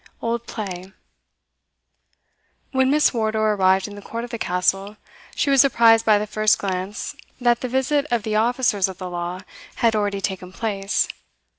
Old Play. When Miss Wardour arrived in the court of the Castle, she was apprized by the first glance that the visit of the officers of the law had already taken place.